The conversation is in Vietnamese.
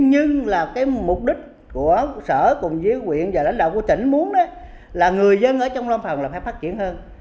nhưng là cái mục đích của sở cùng với quyện và lãnh đạo của tỉnh muốn đó là người dân ở trong lâm phòng là phải phát triển hơn